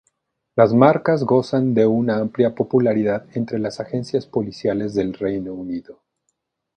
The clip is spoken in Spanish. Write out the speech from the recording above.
Las marcas gozan de una amplia popularidad entre las agencias policiales del Reino Unido.